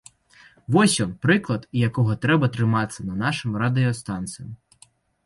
Вось ён прыклад, якога трэба трымацца і нашым радыёстанцыям.